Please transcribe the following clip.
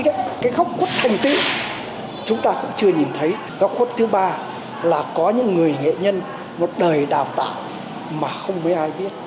góc khuất thứ ba là có những người nghệ nhân một đời đào tạo mà không mấy ai biết